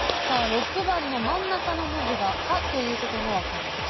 ６番の真ん中の文字が「か」ということが分かりました。